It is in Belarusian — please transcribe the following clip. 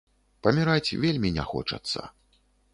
Паміраць вельмі не хочацца.